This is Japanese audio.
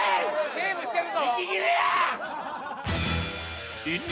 セーブしてるぞ因縁！